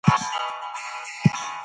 بې ننګي یې وغندله